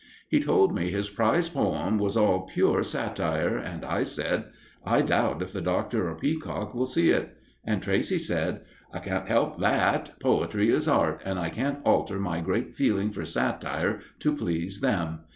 He told me his prize poem was all pure satire, and I said: "I doubt if the Doctor or Peacock will see it." And Tracey said: "I can't help that. Poetry is art, and I can't alter my great feeling for satire to please them.